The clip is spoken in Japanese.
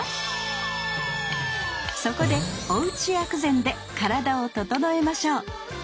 そこでおうち薬膳で体をととのえましょう。